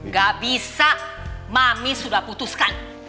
gak bisa mami sudah putuskan